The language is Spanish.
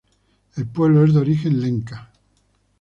El pueblo es de origen lenca.